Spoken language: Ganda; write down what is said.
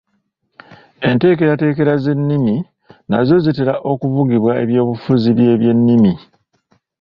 Enteekerateekera z’ennimi nazo zitera okuvugibwa eby’obufuzi by’ebyennimi